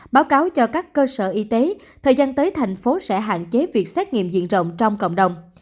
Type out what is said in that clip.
báo cáo cho các cơ sở y tế thời gian tới thành phố sẽ hạn chế việc xét nghiệm diện rộng trong cộng đồng